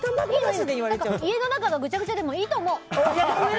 家の中がぐちゃぐちゃでもいいと思う！